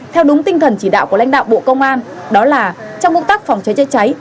theo đúng tinh thần chỉ đạo của lãnh đạo bộ công an đó là trong công tác phòng cháy chữa cháy